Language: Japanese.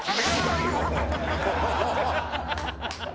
ハハハハ！